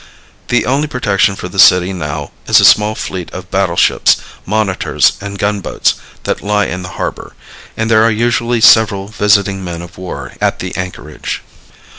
The only protection for the city now is a small fleet of battle ships, monitors and gunboats that lie in the harbor, and there are usually several visiting men of war at the anchorage.